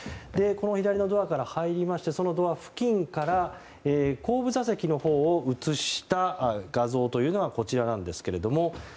この左のドアから入りましてそのドア付近から後部座席の下を写した画像というのがこちらなんですけれども。